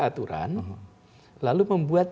aturan lalu membuat